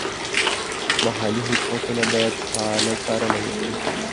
محلي حکومتونه باید فعاله څارنه وکړي.